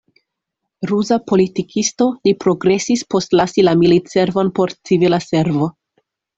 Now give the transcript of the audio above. Ruza politikisto, li progresis post lasi la militservon por civila servo.